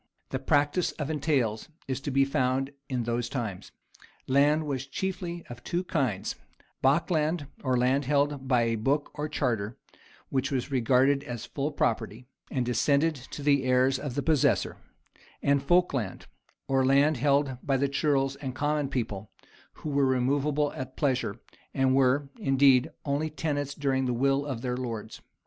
The practice of entails is to be found in those times.[*] Land was chiefly of two kinds, bockland, or land held by book or charter, which was regarded as full property, and descended to the heirs of the possessor; and folkland, or the land held by the ceorles and common people, who were removable at pleasure, and were, indeed, only tenants during the will of their lords.